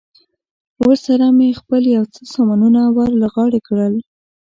ورسره مې خپل یو څه سامانونه ور له غاړې کړل.